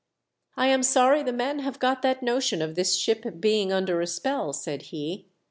" I am sorry the men have got that notion of this ship being under a spell," said he.